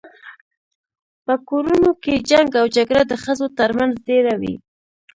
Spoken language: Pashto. په کورونو کي جنګ او جګړه د ښځو تر منځ ډیره وي